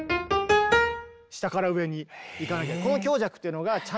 下から上にいかなきゃ。